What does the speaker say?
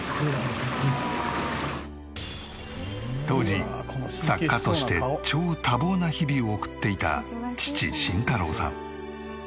当時作家として超多忙な日々を送っていた父慎太郎さん。